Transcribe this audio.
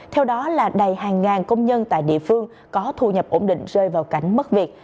theo đó là đầy hàng ngàn công nhân tại địa phương có thu nhập ổn định rơi vào cảnh mất việc